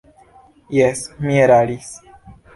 Jes, mi eraris.